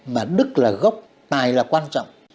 mà đức là gốc tài là quan trọng